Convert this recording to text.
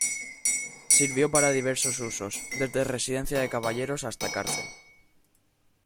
Sirvió para diversos usos, desde residencia de caballeros hasta cárcel.